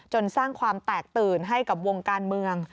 สร้างความแตกตื่นให้กับวงการเมือง